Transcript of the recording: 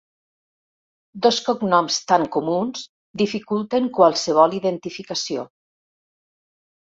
Dos cognoms tan comuns dificulten qualsevol identificació.